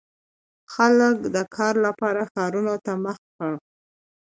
• خلک د کار لپاره ښارونو ته مخه کړه.